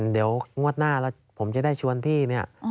เดี๋ยวงวดหน้าแล้วผมจะได้ชวนพี่เนี่ย